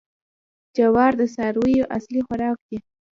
جوار د څارویو اصلي خوراک دی.